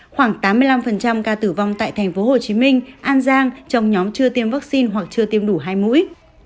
khoảng tám mươi năm ca tử vong tại tp hcm an giang trong nhóm chưa tiêm vaccine hoặc chưa tiêm đủ hai mũi